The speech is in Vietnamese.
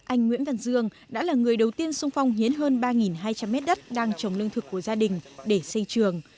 anh nguyễn văn dương đã là người đầu tiên sung phong hiến hơn ba hai trăm linh mét đất đang trồng lương thực của gia đình để xây trường